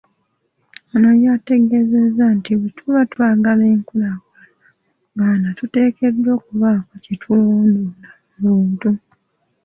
Ono yategeezezza nti bwe tuba twagala enkulaakulana mu Buganda tuteekeddwa okubaako kye tulondoola ku muntu.